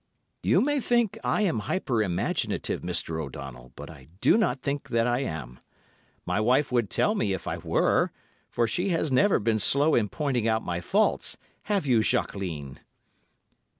You may think I am hyper imaginative, Mr. O'Donnell, but I do not think I am; my wife would tell me if I were, for she has never been slow in pointing out my faults, have you, Jacqueline?"